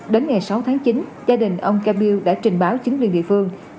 đến ngày sáu tháng chín gia đình ông cà piêu đã trình báo chính liên địa phương